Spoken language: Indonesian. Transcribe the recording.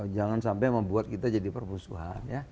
jangan sampai membuat kita jadi perusuhan ya